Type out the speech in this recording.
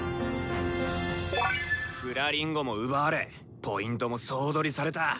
「フラリンゴ」も奪われポイントも総取りされた。